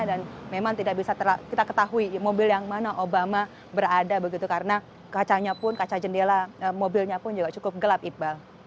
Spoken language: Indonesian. dan memang tidak bisa kita ketahui mobil yang mana obama berada begitu karena kacanya pun kaca jendela mobilnya pun juga cukup gelap iqbal